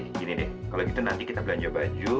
gini deh kalau gitu nanti kita belanja baju